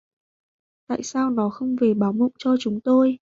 Tại sao nó không về báo mộng cho chúng tôi